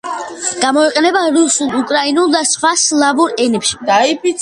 გამოიყენება რუსულ, უკრაინულ და სხვა სლავურ ენებში.